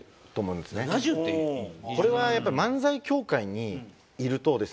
これはやっぱり漫才協会にいるとですね